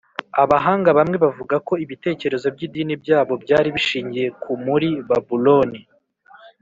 abahanga bamwe bavuga ko ibitekerezo by’idini by’abo byari bishingiye ku muri babuloni.